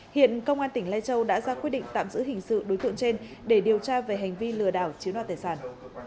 hiện công an tỉnh lai châu đã ra quyết định tạm giữ hình sự đối tượng trên để điều tra về hành vi lừa đảo chiếm đoạt tài sản